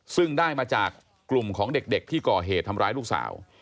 ซึ่งได้มาจากกลุ่มของเด็กที่ก่อเหตุทำร้ายลูกสาว